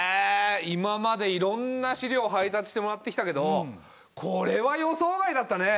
今までいろんな資料を配達してもらってきたけどこれは予想外だったね。